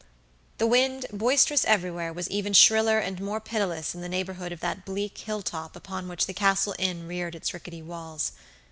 The wind, boisterous everywhere, was even shriller and more pitiless in the neighborhood of that bleak hill top upon which the Castle Inn reared its rickety walls.